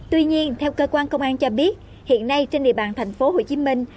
tuy nhiên theo cơ quan công an cho biết hiện nay trên địa bàn thành phố hồ chí minh